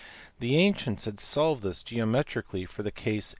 The ancients had solved this geometrically for the case